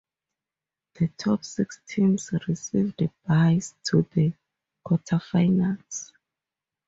The top six teams received byes to the quarterfinals.